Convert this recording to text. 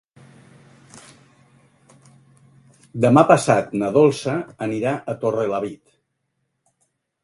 Demà passat na Dolça anirà a Torrelavit.